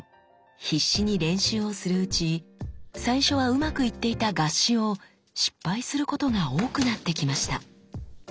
必死に練習をするうち最初はうまくいっていた合撃を失敗することが多くなってきました。